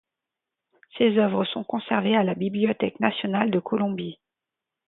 Ces œuvres sont conservées à la Bibliothèque nationale de Colombie.